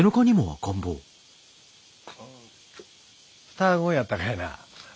双子やったかいな？